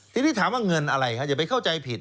ทีนี้ถามว่าเงินอะไรครับอย่าไปเข้าใจผิด